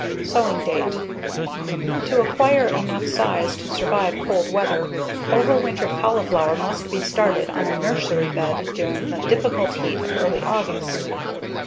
Sowing date: To acquire enough size to survive cold weather, overwintered cauliflower must be started on a nursery bed during the difficult heat of early August.